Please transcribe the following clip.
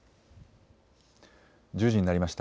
１０時になりました。